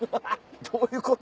どういうこと？